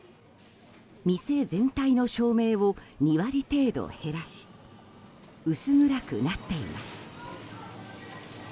店全体の照明を２割程度減らし薄暗くなっています。